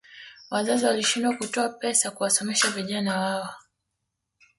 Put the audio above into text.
wazazi walishindwa kutoa pesa kuwasomesha vijana wao